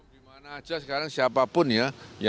dimana aja sekarang siapapun ya